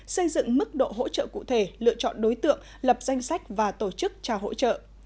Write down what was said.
xây dựng mức độ hỗ trợ cụ thể lựa chọn đối tượng lập danh sách và tổ chức trả hỗ trợ